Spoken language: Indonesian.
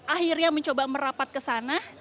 akhirnya mencoba merapat ke sana